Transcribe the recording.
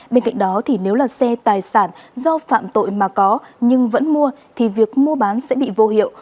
bên cạnh đó thì nếu là xe tài sản do phạm tội mà có nhưng vẫn mua thì việc mua bán sẽ bị vô hiệu